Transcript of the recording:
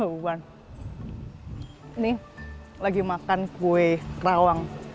ini lagi makan kue kerawang